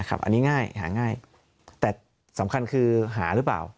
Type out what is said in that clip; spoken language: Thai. อันนี้ง่ายหาง่ายแต่สำคัญคือหาหรือเปล่า